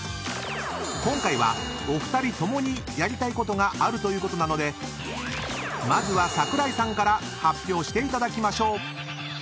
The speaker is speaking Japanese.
［今回はお二人ともにやりたいことがあるということなのでまずは桜井さんから発表していただきましょう］